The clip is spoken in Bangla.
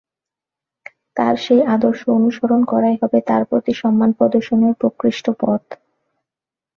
তাঁর সেই আদর্শ অনুসরণ করাই হবে তাঁর প্রতি সম্মান প্রদর্শনের প্রকৃষ্ট পথ।